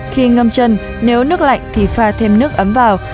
khi ngâm chân nếu nước lạnh thì pha thêm nước ấm vào